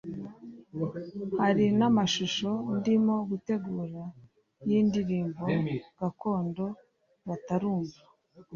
hari n’amashusho ndimo gutegura y’indirimbo gakondo batarumva